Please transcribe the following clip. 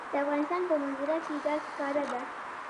د افغانستان په منظره کې ګاز ښکاره ده.